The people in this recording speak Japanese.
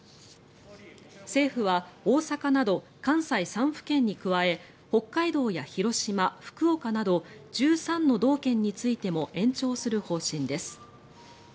政府は大阪など関西３府県に加え北海道や広島、福岡など１３の道県についても延長する方針です。